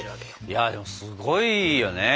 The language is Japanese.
いやでもすごいよね。